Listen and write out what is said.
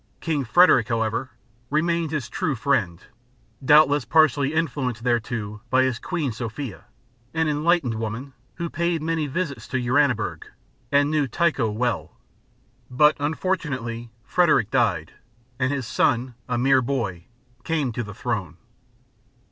King Frederick, however, remained his true friend, doubtless partly influenced thereto by his Queen Sophia, an enlightened woman who paid many visits to Uraniburg, and knew Tycho well. But unfortunately Frederick died; and his son, a mere boy, came to the throne.